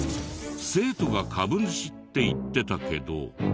生徒が株主って言ってたけど。